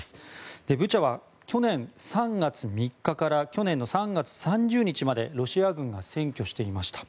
このブチャは去年３月３日から去年の３月３０日までロシア軍が占拠していました。